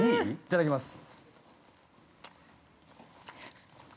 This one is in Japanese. ◆いただきます。